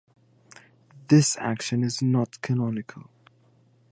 This action is not canonical.